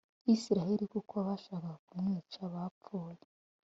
Isirayeli kuko abashakaga kumwica bapfuye